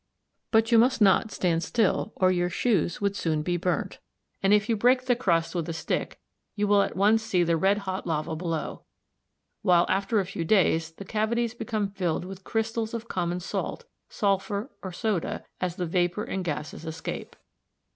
But you must not stand still or your shoes would soon be burnt, and if you break the crust with a stick you will at once see the red hot lava below; while after a few days the cavities become filled with crystals of common salt, sulphur or soda, as the vapour and gases escape.